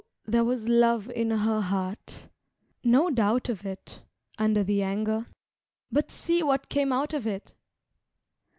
there was love in her heart no doubt of it Under the anger. But see what came out of it!